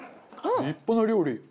立派な料理。